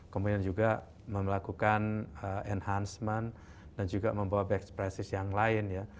kemudian juga melakukan enhancement dan juga membawa berekspresi yang lain ya